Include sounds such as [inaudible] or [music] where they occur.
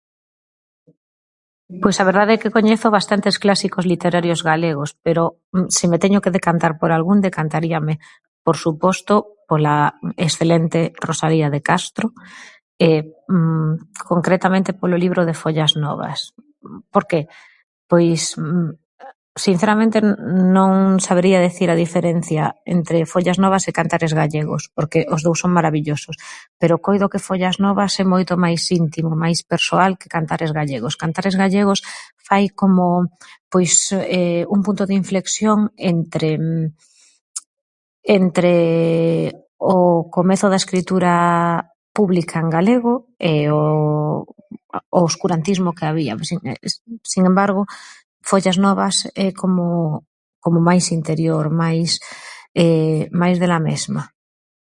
Pois a verdade é que coñezo bastantes clásicos literarios galegos, pero si me teño que decantar por algún decantaríame, por suposto, pola excelente Rosalía de Castro, [hesitation] concretamente polo libro de Follas Novas. Por que? Pois, [hesitation] sinceramente, non sabería decir a diferencia entre Follas Novas e Cantares Gallegos porque os dous son maravillosos, pero coido que Follas Novas é moito máis íntimo, máis persoal que Cantares Gallegos. Cantares Gallegos fai como pois [hesitation] un punto de inflexión entre entre o comezo da escritura pública en galego e o o obscurantismo que había, sin sin embargo, Follas Novas é como como máis interior, máis [hesitation] máis dela mesma.